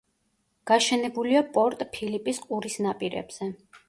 გაშენებულია პორტ ფილიპის ყურის ნაპირებზე.